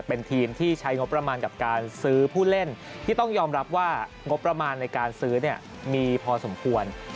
เป็นทีมที่ใช้งบประมาณกับการซื้อผู้เล่นที่ต้องยอมรับว่างบประมาณในการซื้อเนี่ยมีพอสมควร